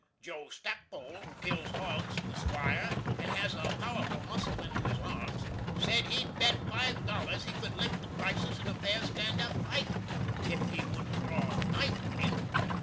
Jo. Stackpole, who kills hogs for the Squire, and has got a powerful muscle into his arms, sed he'd bet 5 dollars he could lick the Crisis in a fair stand up fight, if he wouldn't draw a knife on him.